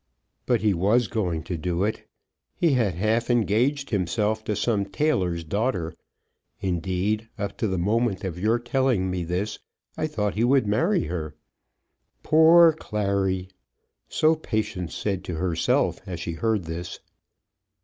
"But he was going to do it. He had half engaged himself to some tailor's daughter. Indeed, up to the moment of your telling me this I thought he would marry her." Poor Clary! So Patience said to herself as she heard this.